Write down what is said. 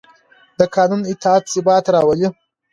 د قانون اطاعت ثبات راولي